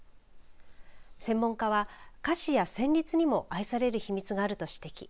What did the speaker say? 専門家は歌詞や旋律にも愛される秘密があると指摘。